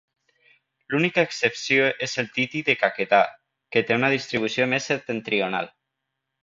L'única excepció és el tití de Caquetá, que té una distribució més septentrional.